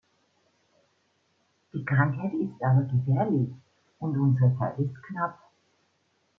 Die Krankheit ist aber gefährlich, und unsere Zeit ist knapp.